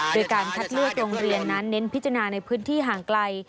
โดยการคัดเลือกโรงเรียนนั้นเน้นพิจารณาในพื้นที่ห่างไกล